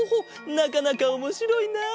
なかなかおもしろいな。